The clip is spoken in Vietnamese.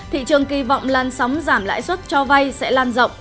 thị trường kỳ vọng làn sóng giảm lãi suất cho vay sẽ lan rộng